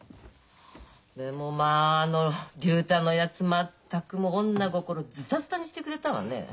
でもまああの竜太のやつ全く女心ズタズタにしてくれたわね。